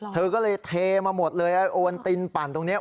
เธอก็เลยเทมาหมดเลยโอนตินปั่นตรงนี้